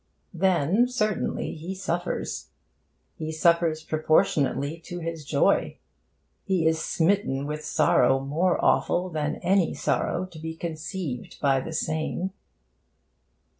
Then, certainly, he suffers. He suffers proportionately to his joy. He is smitten with sorrow more awful than any sorrow to be conceived by the sane.